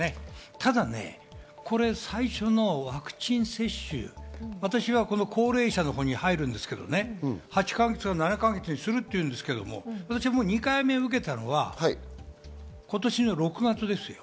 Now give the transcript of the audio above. ただ、最初のワクチン接種、私は高齢者のほうに入るんですけどね、８か月から７か月するっていうんですけども、私もう２回目受けたのが今年の６月ですよ。